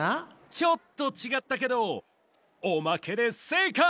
ちょっとちがったけどおまけでせいかい！